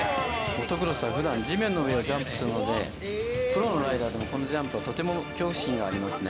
モトクロスは普段地面の上をジャンプするのでプロのライダーでもこのジャンプはとても恐怖心がありますね